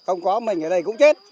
không có mình ở đây cũng chết